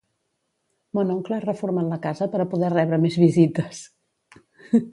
Mon oncle ha reformat la casa per a poder rebre més visites